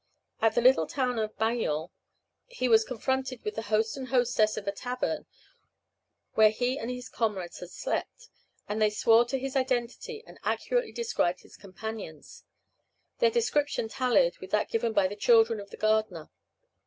At the little town of Bagnols, he was confronted with the host and hostess of a tavern where he and his comrades had slept, and they swore to his identity, and accurately described his companions: their description tallied with that given by the children of the gardener.